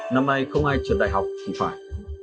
năm nay không ai truyền đại học thì phải